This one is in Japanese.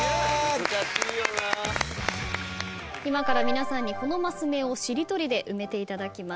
今から皆さんにこのマス目をしりとりで埋めていただきます。